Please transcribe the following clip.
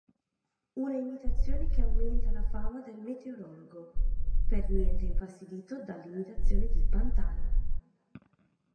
Una imitazione che aumenta la fama del meteorologo, per niente infastidito dall'imitazione di Pantani.